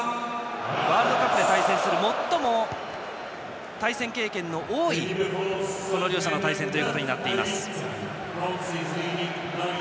ワールドカップで最も対戦経験の多い両者の対戦となっています。